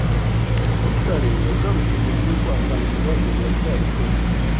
Rutare yagarutse mu gihugu asanga ibibazo biracyari byose